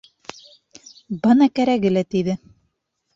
Бына кәрәге лә тейҙе.